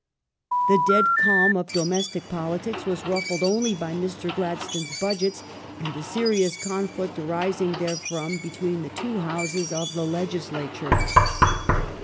Glad The dead calm of domestic politics was ruffled only by Mr. stone's Gladstone's Budgets, and a serious conflict, arising therefrom, between the two Houses of the Legislature.